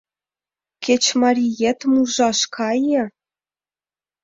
Кеч мариетым ужаш кае.